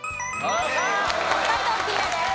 北海道クリアです。